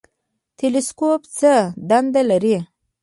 تلسکوپ څه دنده لري؟